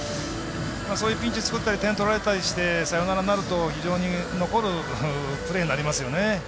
そういうピンチ作ったり点を取られたりしてサヨナラになると、非常に残るプレーになりますよね。